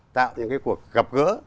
tạo những cái cuộc gặp gỡ